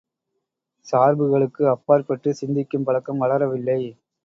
சார்புகளுக்கு அப்பாற்பட்டுச் சிந்திக்கும் பழக்கம் வளரவில்லை.